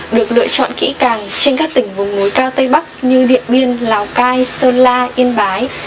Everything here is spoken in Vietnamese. được lựa chọn kỹ càng trên các tỉnh vùng núi cao tây bắc như điện biên lào cai sơn la yên bái